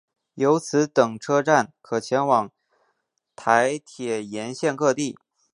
由此等车站可前往台铁沿线各地。